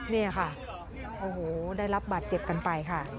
นี่ค่ะโอ้โหได้รับบาดเจ็บกันไปค่ะ